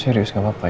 serius nggak papa ya